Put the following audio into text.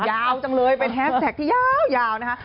ยาวจังเลยเป็นแฮสแท็กที่ยาวนะคะ